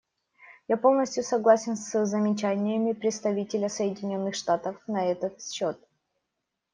Я полностью согласен с замечаниями представителя Соединенных Штатов на этот счет.